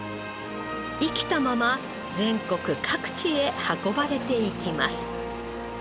生きたまま全国各地へ運ばれていきます。